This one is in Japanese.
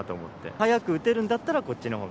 早く打てるんだったら、こっちのほうが。